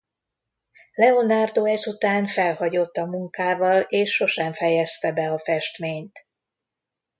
Leonardo ezután felhagyott a munkával és sosem fejezte be a festményt.